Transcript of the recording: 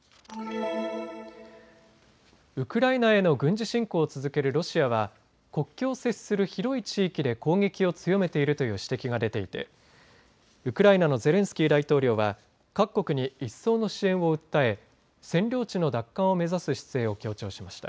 ウクライナへの軍事侵攻を続けるロシアは国境を接する広い地域で攻撃を強めているという指摘が出ていてウクライナのゼレンスキー大統領は各国に一層の支援を訴え占領地の奪還を目指す姿勢を強調しました。